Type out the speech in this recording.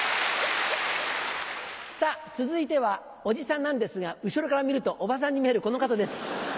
さぁ続いてはおじさんなんですが後ろから見るとおばさんに見えるこの方です。